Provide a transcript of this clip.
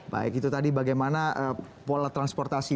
baik itu tadi bagaimana pola transportasi